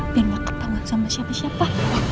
biar gak ketahuan sama siapa siapa